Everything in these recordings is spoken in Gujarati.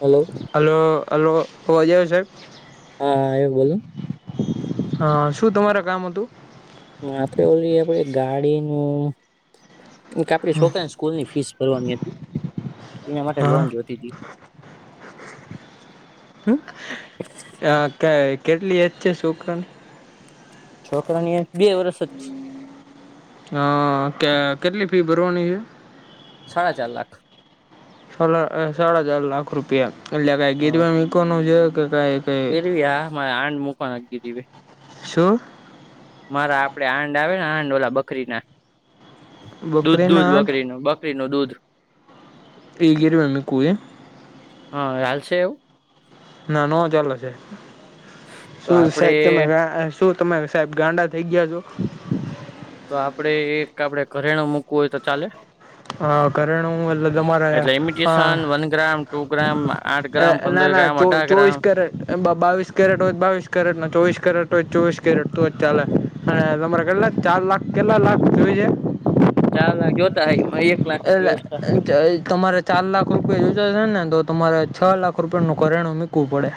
હલો. હલો, હલો અવાજ આવે છે? હા, આયુ બોલોને? હા, શું તમારે કામ હતું? હાથે ઓલી આપણે ગાડીનું. કે આપણી છોકરાને સ્કૂલની ફીસ ભરવાની હતી, એના માટે હા લોન જોયતી હતી. હમ્મ. કેટલી એજ છે છોકરાની? છોકરાની એજ બે વર્ષ જ છે. હા ત્યાં કેટલી ફી ભરવાની છે? સાડા ચાર લાખ. સાડા ચાર લાખ રૂપિયા એટલે કઈ હા ગિરવી મુકવાનું છે કે કઈ કઈ એરવી આ મારે આંડ મકવાનું ગી શું? મારા આપણે આાંડ આવે ને આડ ઓલા, બકરીના બકરીના દૂધ આઠ બકરીનું બ નું દૂધ. એ ગીરવી મૂકવું એમ? હા, ચાલશે છે એવું? ના ના ચાલે, તો શું આપડે સાહેબ. શું તમે સાહેબ ગાંડા થઈ ગયા છો? તો આપડે એક આપડે ઘરેણું મૂકવું હોય તો ચાલે? હા કરણું એલ તમારે અમારા એટલે હા. Imitation one gram two gram આઠ ગ્રામ ના પંદર ના ગ્રામ અઢાર ગ્રામ ચોવીસ કેરેટ. એ બાવીસ કેરેટ હોય બાવીસ કેરેટ ચોવીસ કેરેટ હોય ચોવીસ કેરેટ તો જ ચાલે. અને તમારે કેટલા ચાર લાખ કેટલા લાખ જોય છે? ચાલ લાગ્યોતા હ. એટલે તમારે ચાર લાખ રૂપિયા જશે ને તો તમારે છ લાખ રૂપિયાનું ણું મૂકવું પડે.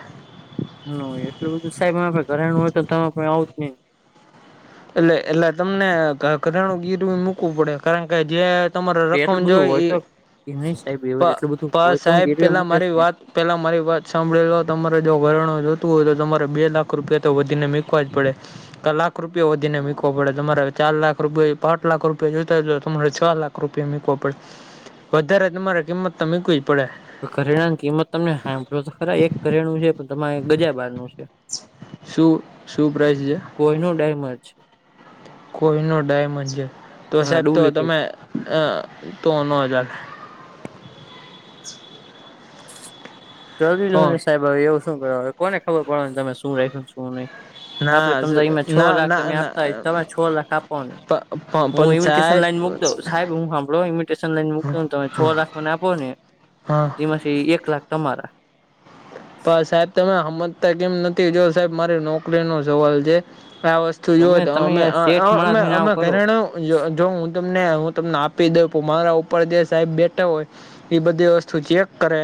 હ એટલું બધું સાહેબ આપે ઘરેણું હોય તો તમારા પાસે આવું જ નઈ. એટલે એટલે તમને ઘરેણું ગીરવે મૂકવું પડે કારણ કે જે તમારે એટલું રકમ બધું જોઈ હોય ઈ, તો નહી સાહેબ એવું એટલું બધું હોય તો હું સાહેબ ગીરવે પેલા મૂકેશ મારી ને વાત પેલા મારી વાત સાંભળેલો તમારે જો વરણું જોતું હોય તો તમારે બે લાખ રૂપિયા તો વધીને મૂકવા જ પડે. લાખ રૂપી રૂપિયા વધીને મુકવો પડે તમારે ચાર લાખ રૂપિયા પાંચ લાખ રૂપિયા જોતા હોય તો તમારે છ લાખ રૂપિયા મુકવો પડે. વધારે તમારે કિંમત તો મૂકવી જ પડે. ઘરેણા ની કિંમત તમને સાંભળો તો ખરા એક કરેણું છે પણ તમારે ગજા બાર નનું છે. શું શું પ્રાઈઝ છે? કોઈ ન ડેમર છે. કોઈ ન ડાયમંડ છે, તો હા સાહેબ તો ડુપ્લિકેટ તમે તો નજ. જરૂરી જો તો સાહેબ એવું શું કરવા કોને ખબર પડવા તમે શું રાખ્યું શું નહી. આપડે ના તમને અમાં છ ના લાખ ના તમે ના આપતા હોય તમે છ લાખ આપાનુ. હું પણ ઇમિટેશન સાહેબ લાઈન મૂક દઉ સાહેબ હું સાંભળો ઇમિટેશન લાઈન મક દઉ તમે છ લાખ મને આપ. બોને. હા. તેમાંથી એક લાખ તમારા. પણ સાહેબ તમે હમતતા કેમ નથી જો સાહેબ મારી નોકરી નો સવાલ છે, આ વસ્તુ તો જો હો તમે તો તમે અમા સેઠ માણસ થઈને અમાઅમે આવું કરો ઘરેનું જો હું તમને હું તમને આપી દઉં મારા ઉપર જે સાહેબ બેઠા હોય. એ બધી વસ્તુ ચેક કરે,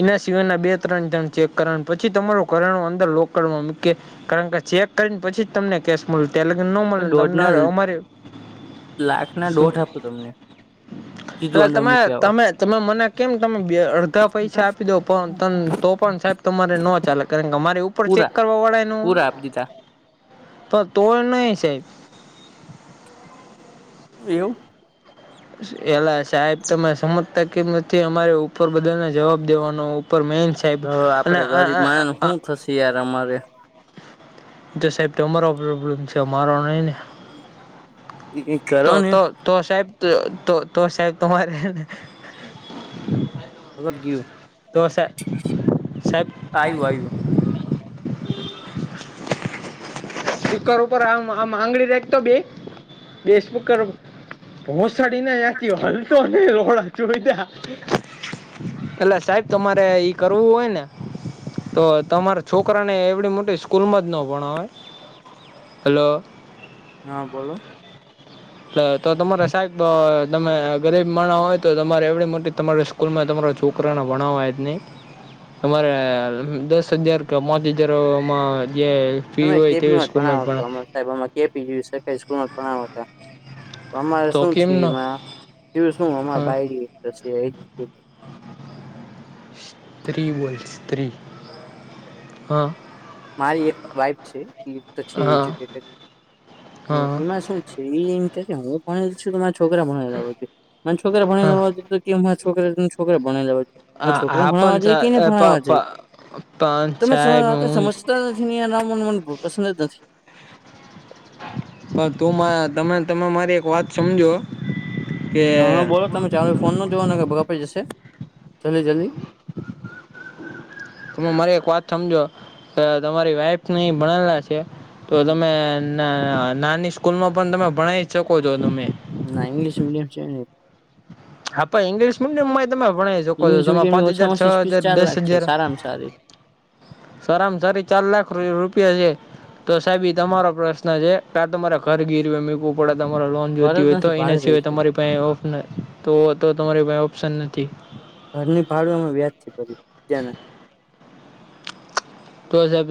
એના સિવાયના બે ત્રણ જણ ચેક કરવા પછી તમારું ઘરેણું અંદર લોકરમાં મૂકી, કારણ કે ચેક કરીને પછી જ તમને કેશ મળ તં લગને ન મળે દોઢ નેમને ના અમારે, લાખ ના શું? દોઢ આપો તમને સીધું એ અંદર તમે મૂકી આવો તમે તમે મને કેમ તમે અડધા પૈસા આપી દો પણ ત તો પણ સાહેબ તોરે ન ચાલે કારણ કે અમારે ઉપર ચેક પૂરા કરવા વળા ન હોય. પૂરા આપ દીધા તો તોડ ન સાહેબ. એવું? એલા સાહેબ તમે સમજતાકી નથી અમારે ઉપર બધાને જવાબ દેવાનો ઉપર મેન સાહેબ તોવે અને આપડે ગરીબ માણે ને શું થશે યાર અમારે. તો સાહેબ તમારો પ્રોબ્લેમ છે મારો નહી ને. તો કરો ને તો તો સાહેબ તો સાહેબ તમારે અગત ઘું [unintelligible] તો સાહે સાહેબ આવું આવ્યું. કુકર ઉપર આમ આમ આંગળી રેખતો બે, બેસ કુકર પોહસાડીનેચ હલ તો રોડા જોઈ [unintelligible] એટલે સાહેબ તમારે ઈ કરવું હોય ને. તો તમારા છોકરાને એવડી મોટી સ્કૂલમાં જ ન ભણાવાય. હલો. હા બોલો. તો તમારે સાબ તમે ગરીબ માણા હોય તો તમારે એવડી મોટી તમારા સ્કૂલ માં તમારા છોકરા ના ભણાવવાય જ નહી. અમારે દસ હજાર કે પાંચ હજાર એમાં જે ફી હોય તે સ્કૂલ માં જ ભણાવાય. સાહેબમાં કે પી સ્કૂલ માં ભણાવ હતા. અમારે તો શું કેમ થય ન એમાં, શું અ હા [unintelligible] સ્ત્રી બોલ્ સ્ત્રી હા. મારી એક વાઈફ છે છે હા એજુકે, હા એમાં શ છે એમ હું ભણેલી છું તો મારા છોકરા ભણેલા હો, મને છોકરા હા ભણેલા હો છોકરા છોકરે ભણ લેવા હ હા છોકરા હા ભણવા પણ જાય કે ન ભણવા જાય, પણ તોમે સાહેબ સમજ હું નથી એ મ મન બહુ પસંદ જ નથી. તું તમે તમે મારી એક વાત સમજો. કે હા હા બોલો તમે ચાલો ફોન ન જોવાને કે બગપડી જશે, જલ્દી જલ્દી. તમે મારી એક વાત સમજો, કે તમારી વાઈફ નહી ભણેલા છે, તો તમે ના નાની સ્કૂલ માં પણ તમે ભણાવ શકો છો તમે. ના ઇંગ્લીશ મિયમ શ આપ ઇંગ્લશ મડિયમમાં તમે ભણ છે. જોકો છો ઇંગ્લિશ તમે પાંચ મીડિયમની હજાર ઓછામાં છ ઓછી ફીસ હજાર ચાર દસ લાખ છે હજાર. સારામાં સારી સરામ સારી ચાર લાખ રૂપિયા છે. તો સાહેબ એ તમારો પ્રશ્ન છે ક્યા તમારે ઘર ગીરવે મીકુ ડા તમારા લોન જોતી ભારત હોય તો નથી ભાડે એના રહી સિવાય છે તમારી પા ઓફ તો તો તમારી ભાઈ ઓપ્શન નથી. ઘર ની ભાડું અમે વ્યાજ થી ભર્યું જ્યાને. તો સાહેબ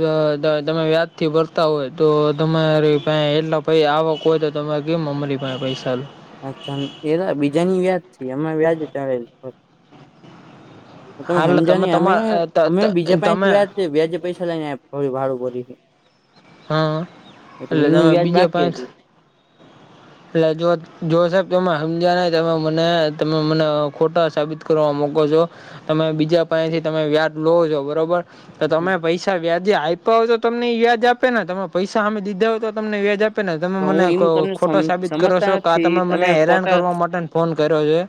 તમે વ્યાજથી ભરતા હોય તો તમારે એટલા ભાઈ આવો કો હોય તો તરે કેમ અમરી પા પૈસા અચ્છા એના બીજાની વ્યાજથી એમમાં વ્યાજ આવે તમે હાલ હેમજયોની અમે તમારા બીજા તમે પાહે વ્યાજે પૈસા લઈને આપ્યા ભાડું ભોરીને હા એટલે તમે એનું વ્યાજ બીજે બાકી પાંચ હતું એટલે જો જો સાહેબ તમે હમજ્યા નઈ તો મને તમે મને ખોટા સાબિત કરવા મુકો છો, તમે બીજા પાહેથી તમે વ્યાજ લો છો બરોબર તો તમે પૈસા વ્યાજે આપ્યા હો તો તમને વ્યાજ આપ આપેને તમે પૈસા હામે દીધા હોય તો તમને વ્યાજ આપે આપેને તમે તો મને હું એમ તમને ખોટો સમ સાબિત કરો સમજતા છો, કા તમે નથી મને હેરાન ખોટા કરવા માટે ફોન કર્યો છે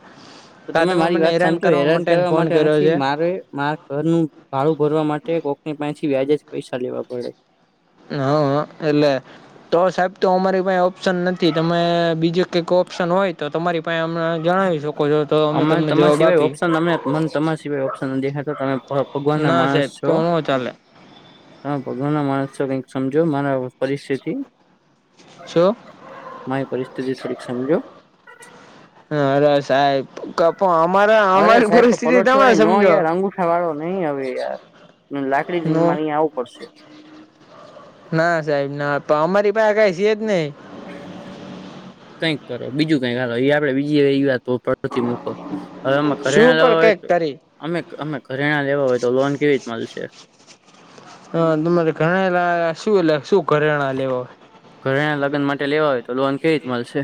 તો આ તમે મારી મને વાત સમજો હેરાન કરવા ફોન માટે કર્યો નથી, છે મારે મારા ઘરનું ભાળું ભરવા માટે કોકની પાથી વ્યાજ જ પૈસા લેવા પડે. હમ્મ, હા એલે તો સાહેબ તો અમારી પાહે ઓપ્શન નથી, તમે બીજું કંઈક ઓપ્શન હોય તો તમારી પાસે હમણાં અરે તમાર સિવાય ઓપ્શન, તમને મને તમારા સિવાય ઓપ્શન નથી દેખાતો તમે પણ ભગવાનના ના માણસ સાહેબ છો તો ન ચાલે તમે ભગવાનના માણસ છો, કઈક સમજો મારી પરિસ્થિતિ શું મારી પરિસ્થિતિ થોડીક સમજો હા, અરે સાહેબ કપો અમારા અમારી પરિસ્થિતિ તમે સમજો. આ વાળો નઈ અવે યાર, મારે લાકડી લઈને નો અહીં આવું પડશે. ના સાહેબ ના પણ અમારી પાસે કઈ છેજ નઈ કંઈક કરો, બીજું કઈક, આલો આપડે બીજી [unintelligible] નથી મૂકો એમાં ઘરેણા શું પણ લેવા કઈક હોય કરી અમે અમે ઘરેણા લેવા હોય, તો લોન કેવી રીત મળશે? અહ તમારે ઘરેણા [unintelligible] શું એટ શું ઘરેણા લેવા? ઘરેણા લગન માટે લેવા હોય તો લોન કેવી રીત મળશે?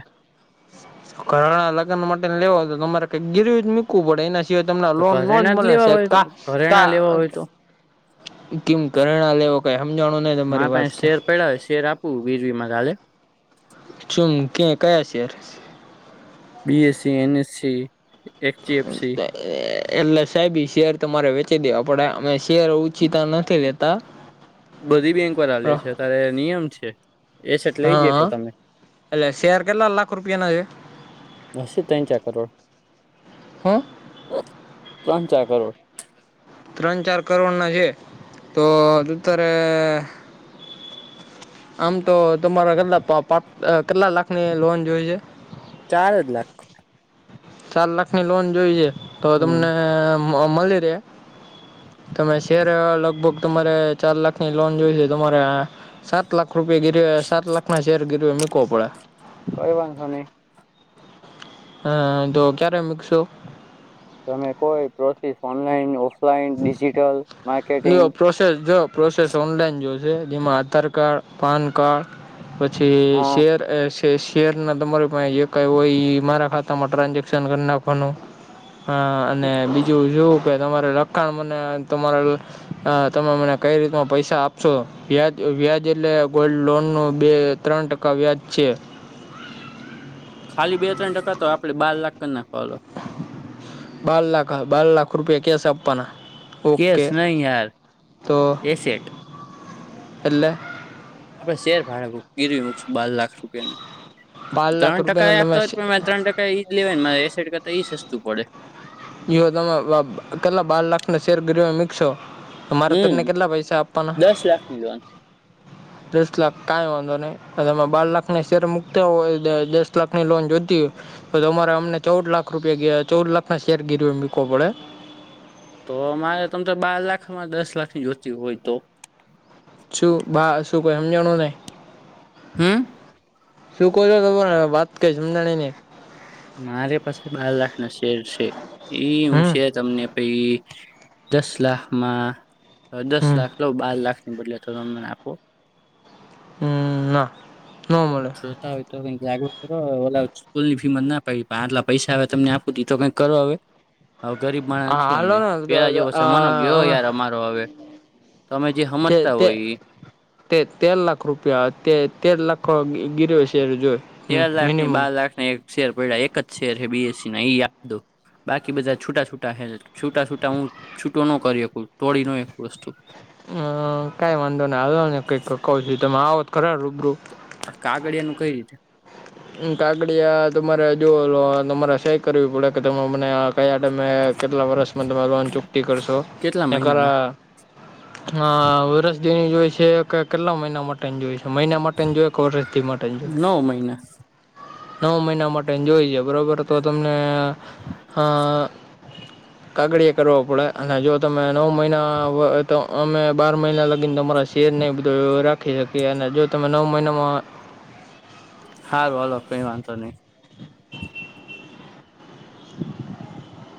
ઘરેણા લગ્ન માટે લેવા તો તમારે કઈક ગીરવી જ મૂકવું પડે એના સિવાઈ જયો તમને તો લોન ન જ ઘરેણા મળે લેવા સાહેબ હોય તો કા કા ઘરેણા લેવા હોય તો કેમ ઘરેણા લેવો કઈ હમજાનું નઈ મારા પાહે શેર પડ્યા, શેર આપું વીરવીમાં કાલે? શુંમ કે કયા share? B S C, N S C, H D F C એટલે સાહેબ ઈ શેર તમારે વેચી દેવા પડે, અમે શેર ઓછીતા નથી લેતા બધી બેંક વાર લે છે, ત્યારે નિયમ છે. એસેટ લઈ જકો હા, તમે એટલે શેર કેટલા લાખ રૂપિયાના એક? અસે ત્રણ ચાર કરોડ, હું ત્રણ ચાર કરોડ ત્રણ ચાર કરોડના છે, તો અત્યારે આમ તો તમારે કેટલા પા કેટલા લાખની લોન જોઈ છે? ચાર જ લાખ ચાર લાખની લોન જોઈએ, તો હમ તમને મળી રે તમે શેર લગભગ તમારે ચાર લાખની લોન જોઈ છે તમારે સાત લાખ રૂપિયા ગીરવી, સાત લાખના શેર ગીરવી મુકવો પડે કઈ વાંધો નઈ હા, તો ક્યારે મૂકશો? તમે કોઈ process online, offline, digital marketing જો પ્રોસેસ જો પ્રોસેસ ઓનલાઈન જોશે જેમાં આધાર કાર્ડ પાન કાર્ડ પછી હા શેર તે શેરના તમારી પાહે જે કાઈ હોય ઈ મારા ખાતામાં ટ્રાન્ઝેક્શન કર નાખવાનું હા અને બીજું જોવું કે તમારે [unintelligible] અને તમારા હ તમે મને કઈ રીતમાં પૈસા આપશો વ્યાજ વ્યાજ એટલે ગોલ્ડ લોનનું બે ત્રણ ટકા વ્યાજ છે. ખાલી બે-ત્રણ ટકા તો આપડે બાર લાખ કર નાખો હાલો. બાર લાખ બાર લાખ રૂપિયા કેશ છે આપવાના ઓકે કેશ નહી યાર તો એસેટ એટલે આપડે શેર [unintelligible] ગીરવી મૂકશું બાર લાખ રૂપિયાનું બાર લાખ ત્રણ ટકા એ રૂપિયાના આપતા હોય તમે પણ મારે ત્ર ટકા એઈજ લેવાય ને મારે એસેડ કરતા એઈ સસ્તું પડે જઓ તમે કેટલા બાર લાખના શેરગરીમાં મિકસો મારે હમ તમને કેટલા પૈસા આપવાના દસ લાખની લોન દસ લાખ કાઈ વાંધો નહી અને એમાં બાર લાખને શેર મુકતા હોય દસ લાખની લોન જોતી હોય તો અમારે અમને ચૌદ લાખ રૂપિયા ચૌદ લાખના શેર ગીરવી મૂકવો પડે. તો અમારે તમ તો બાર લાખમાં દસ લાખની જોતી હોય તો છું બા શું કોય હમજાણું નહી. હમ, શું કો છો તમાર વાત કઈ સમજાણી ની મારી પાસે બાર લાખના શેર છે ઈ હું હમ શે જમને પ દસ લાખમાં દસ હમ લાખ બાર લાખ ની બદલે તો તમને આપો હમ ના ન મળે જોતા હોય તો કંઈક [unintelligible] સ્કૂલ ફી મ ના પડી આટલા પૈસા આવે તમને આપું દી તો કંઈક કરો હવે હ ગરીબ માણા હા નથી હાલો અમે ને તો- પેલા તો, જેવો સમાનો આ, ગયો અમે યાર અમા તો હવે તમે જે તે હમજતા તે હોય ઈ તે તેર લાખ રૂપિયા તે તેર લાખ ગીર્યો શેર જોઈ તેાર લાખ ની બાર લાખ એક શેર પડ્યા એક જ શેર છે બીએસસી ના એ આપ દો બાકી બધા છૂટા છૂટા છે છૂટા છૂટા હું છૂટું ન કરી એક તોડી ન એક વસ્તુ અ કાઈ વાંધો ન [unintelligible] કઈક કવછું તમે આવો તો ખરા રૂબરૂ. કાગડીયા નુ કઈ રીતે કાગડીયા તમારે જોલો તમારે સઈ કરવી પડે કે તમે મને કયા ટાઈમે કેટલા વર્ષમાં તમે લોન ચુક્તિ કરશો કેટલા કે મહિનામાં ખરા વરષદીની જોય છે કે કેટલા મહિના માટે [unintelligible] જોય છે મહિના માટેન જોઈએ કે વરશથી માટે જોએ. નવ મહિના નવ મહિના માટે જોઈ છે બરાબર તો તમને અ [inaudible] કાગડીએ કરવા પડે અને જો તમે નવ મહિના તો અમે બાર મહિના લગીને તમારા શેર નહીં બધો રાખી શકીએ અને જો તમે નવ મહિનામાં, હારૂ હાલો કઈ વાંધો નહી. [inaudible] [inaudible] [inaudible]